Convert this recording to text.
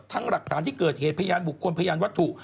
หลักฐานที่เกิดเหตุพยานบุคคลพยานวัตถุ